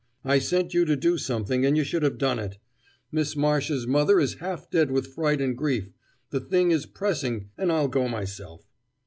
I sent you to do something, and you should have done it. Miss Marsh's mother is half dead with fright and grief; the thing is pressing, and I'll go myself."